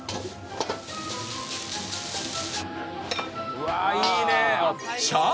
うわいいね！